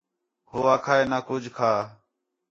ہو آکھا ہے نہ کُجھ کھا